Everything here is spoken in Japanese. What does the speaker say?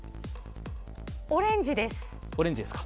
オレンジです。